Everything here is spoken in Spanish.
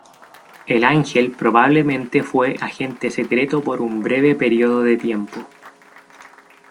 El Ángel probablemente fue agente secreto por un breve periodo de tiempo.